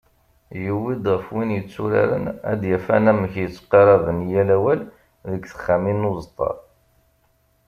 Yewwi-d ɣef win yetturaren ad d-yaf anamek yettqaṛaben i yal awal deg texxamin n uẓeṭṭa.